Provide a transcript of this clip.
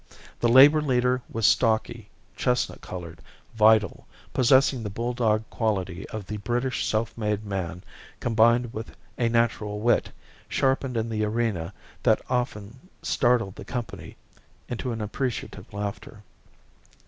The labour leader was stocky, chestnut coloured, vital, possessing the bulldog quality of the British self made man combined with a natural wit, sharpened in the arena, that often startled the company into an appreciative laughter.